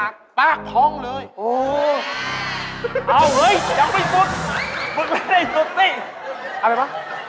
อะไรหรือปะดิบอ๋อ